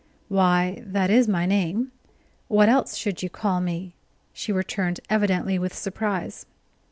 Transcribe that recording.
"Why, that is my name what else should you call me?" she returned, evidently with surprise.